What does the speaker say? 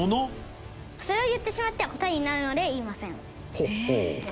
それを言ってしまっては答えになるので言いません。